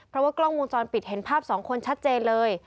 เพราะว่ากล้องวงจรปิดเห็นภาพสองคนชัดเจนเลย